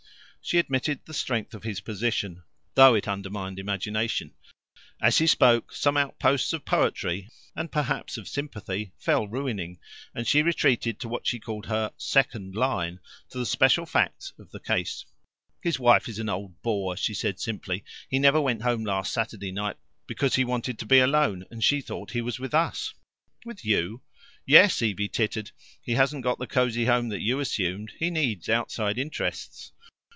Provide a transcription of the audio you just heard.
She admitted the strength of his position, though it undermined imagination. As he spoke, some outposts of poetry and perhaps of sympathy fell ruining, and she retreated to what she called her "second line" to the special facts of the case. "His wife is an old bore," she said simply. "He never came home last Saturday night because he wanted to be alone, and she thought he was with us." "With YOU?" "Yes." Evie tittered. "He hasn't got the cosy home that you assumed. He needs outside interests."